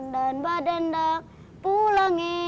dan badan tak pulang